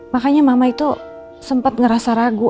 makanya mama itu sempat ngerasa ragu